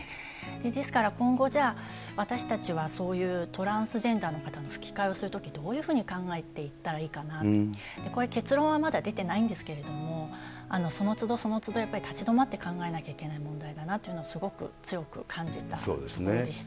ですから今後、じゃあ、私たちはそういうトランスジェンダーの方の吹き替えをするとき、どういうふうに考えていったらいいかな、これ、結論はまだ出てないんですけれども、そのつどそのつどやっぱり、立ち止まって考えなきゃいけない問題だなというのは、すごく強く感じたところでした。